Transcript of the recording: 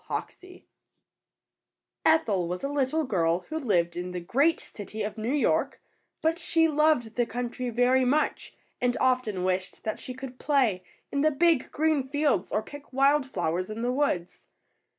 HOXIE. Ethel was a little girl who lived in the great city of New York, but she loved the country very much and often wished that she could play in the big, green fields or pick wild flowers in the woods.